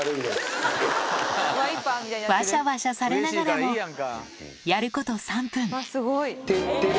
ワシャワシャされながらもやること３分テッテレ！